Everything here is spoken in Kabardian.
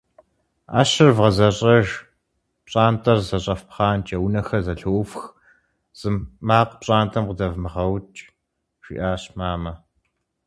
«ӏэщыр вгъэзэщӏэж, пщӏантӏэр зэщӏэфпхъанкӏэ, унэхэр зэлъыӏуфх, зы макъ пщӏантӏэм къыдэвмыгъэӏук», - жиӏащ мамэ.